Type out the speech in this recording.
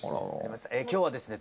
今日はですね